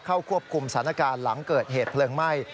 เข้าควบคุมสถานการณ์หลังเกิดเหตุเพลิงไหม้